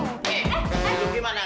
iya itu biasanya be